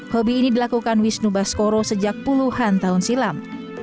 hobi ini dilakukan wisnu baskoro sejak puluhan tahun silam